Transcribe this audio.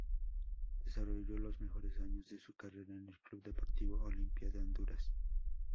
Desarrolló los mejores años de su carrera en el club Deportivo Olimpia de Honduras.